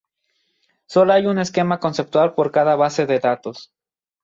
Solo hay un esquema conceptual por cada base de datos.